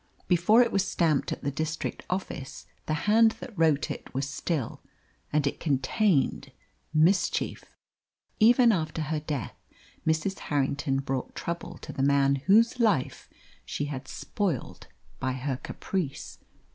Before it was stamped at the district office the hand that wrote it was still. And it contained mischief. Even after her death Mrs. Harrington brought trouble to the man whose life she had spoilt by her caprice.